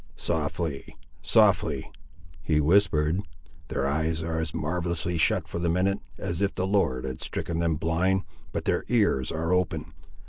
"Softly, softly," he whispered, "their eyes are as marvellously shut for the minute, as if the Lord had stricken them blind; but their ears are open.